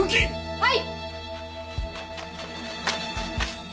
はい！